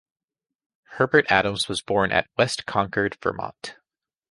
Herbert Adams was born at West Concord, Vermont.